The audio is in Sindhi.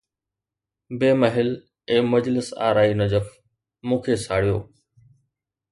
بي محل، اي مجلس آرائي نجف! مون کي ساڙيو